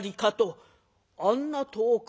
「あんな遠く？」。